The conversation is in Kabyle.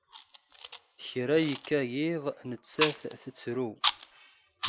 Kra yekka yiḍ nettat tettru.